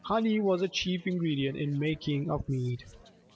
Honey was the chief ingredient in the making of mead.